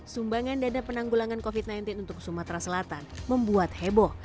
sumbangan dana penanggulangan covid sembilan belas untuk sumatera selatan membuat heboh